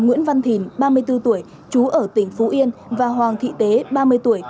nguyễn văn thìn ba mươi bốn tuổi chú ở tỉnh phú yên và hoàng thị tế ba mươi tuổi